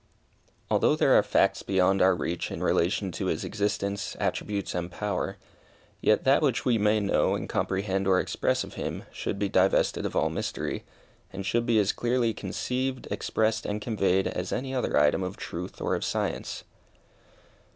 Although there are facts beyond our reach in relation to His existence, attributes, and power, yet that which we may know and comprehend or express of Him, should be divested of all mystery, and should be as clearly conceived, expressed, and conveyed as any other item of truth or of science.